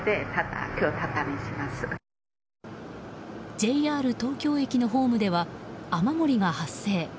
ＪＲ東京駅のホームでは雨漏りが発生。